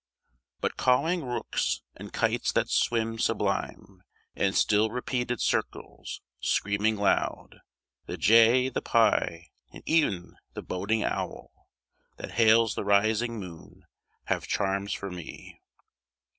But cawing rooks, and kites that swim sublime In still repeated circles, screaming loud, The jay, the pie, and e'en the boding owl, That hails the rising moon, have charms for me.